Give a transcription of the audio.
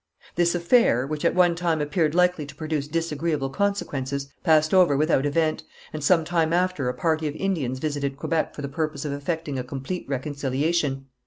This affair, which at one time appeared likely to produce disagreeable consequences, passed over without event, and some time after a party of Indians visited Quebec for the purpose of effecting a complete reconciliation.